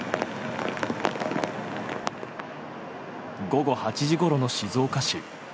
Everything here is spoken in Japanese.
午後８時ごろの静岡市。